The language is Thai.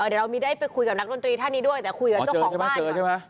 เดี๋ยวเรามีได้ไปคุยกับนักดนตรีท่านนี้ด้วยแต่คุยกับเจ้าของบ้านใช่ไหม